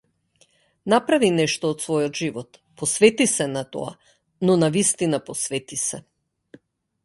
Направи нешто од својот живот, посвети се на тоа, но навистина посвети се.